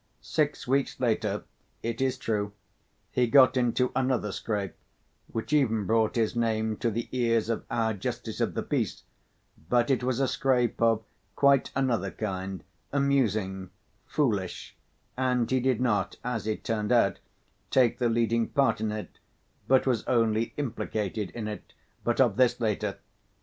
Six weeks later, it is true, he got into another scrape, which even brought his name to the ears of our Justice of the Peace, but it was a scrape of quite another kind, amusing, foolish, and he did not, as it turned out, take the leading part in it, but was only implicated in it. But of this later.